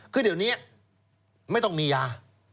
คือเดี๋ยวนี้ไม่ต้องมียา